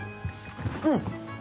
うん。